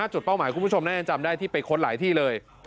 จุดเป้าหมายคุณผู้ชมน่าจะจำได้ที่ไปค้นหลายที่เลย